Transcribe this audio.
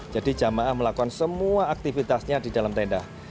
jadi jemaah melakukan semua aktivitasnya di dalam tenda